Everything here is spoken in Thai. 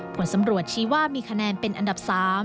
ผลสำรวจชี้ว่ามีคะแนนเป็นอันดับ๓